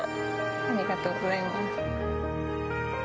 ありがとうございます。